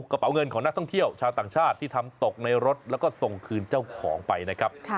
กระเป๋าเงินของนักท่องเที่ยวชาวต่างชาติที่ทำตกในรถแล้วก็ส่งคืนเจ้าของไปนะครับ